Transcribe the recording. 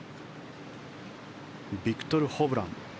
ビクトル・ホブラン。